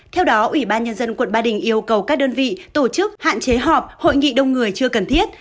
theo đó ủy ban nhân dân quận ba đình yêu cầu các đơn vị tổ chức hạn chế họp hội nghị đông người chưa cần thiết